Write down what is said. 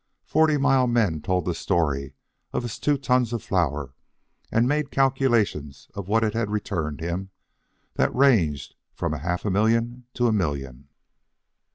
Forty Mile men told the story of his two tons of flour, and made calculations of what it had returned him that ranged from half a million to a million.